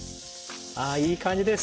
あいい感じです！